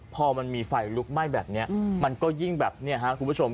พอมันมีไฟลุกไหม้แบบนี้มันก็ยิ่งแบบนี้ครับคุณผู้ชม